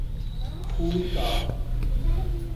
پھول کا